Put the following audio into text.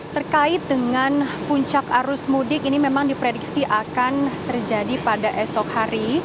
terkait dengan puncak arus mudik ini memang diprediksi akan terjadi pada esok hari